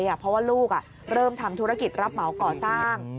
เพราะว่าลูกเริ่มทำธุรกิจรับเหมาก่อสร้าง